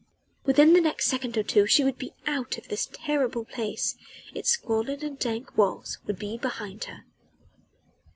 Within the next second or two she would be out of this terrible place, its squalid and dank walls would be behind her.